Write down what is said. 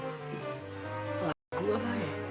pelaku apa ya